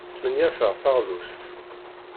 Smenyafeɣ taɣlust.